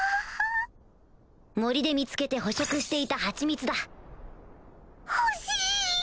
森で見つけて捕食していた蜂蜜だ欲しい！